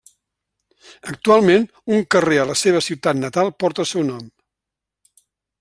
Actualment, un carrer a la seva ciutat natal porta el seu nom.